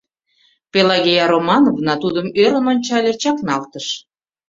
Пелагея Романовна тудым ӧрын ончале, чакналтыш.